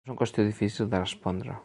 És una qüestió difícil de respondre.